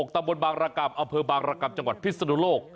ตำบลบางรกรรมอำเภอบางรกรรมจังหวัดพิศนุโลก